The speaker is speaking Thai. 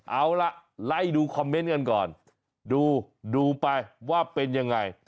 เอาล่ะไล่ดูคอมเมนต์กันก่อนดูดูไปว่าเป็นยังไง